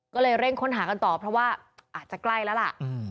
ก็เลยเร่งค้นหากันต่อเพราะว่าอาจจะใกล้แล้วล่ะ